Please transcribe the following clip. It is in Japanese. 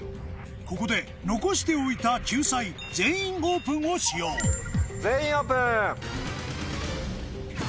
ここで残しておいた救済「全員オープン」を使用全員オープン！